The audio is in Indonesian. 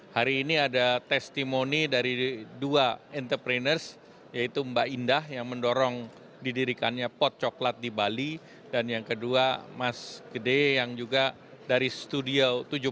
hari ini ada testimoni dari dua entrepreneurs yaitu mbak indah yang mendorong didirikannya pot coklat di bali dan yang kedua mas gede yang juga dari studio tujuh belas